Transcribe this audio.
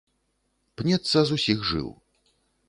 Пнецца з усіх жыл.